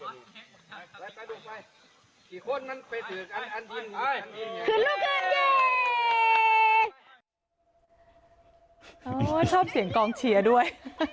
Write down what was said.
ชอบเสียงกองเชียร์ด้วย